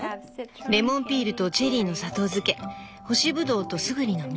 レモンピールとチェリーの砂糖漬け干しぶどうとスグリの実。